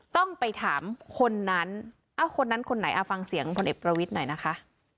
ต้องไปถามคนนั้นคนนั้นคนไหนฟังเสียงพลเอกประวิทย์หน่อยนะคะ